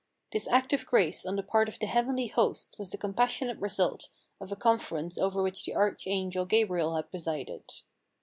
This act of grace on the part of the heavenly hosts was the com passionate result of a conference over which the arch angel Gabriel had presided.